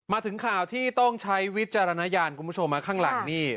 มาถึงข่าวที่ต้องใช้วิจารณญาณคุณผู้ชมข้างหลังนี่